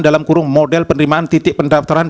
dalam kurung model penerimaan titik pendaftaran